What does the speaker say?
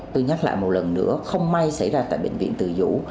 tôi nhắc lại một lần nữa không may xảy ra tại bệnh viện từ dũ